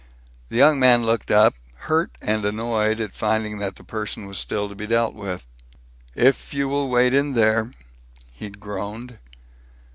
The young man looked up, hurt and annoyed at finding that the person was still to be dealt with. "If you will wait in there?" he groaned.